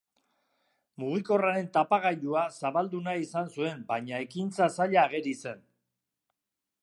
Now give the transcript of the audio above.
Mugikorraren tapagailua zabaldu nahi izan zuen baina ekintza zaila ageri zen.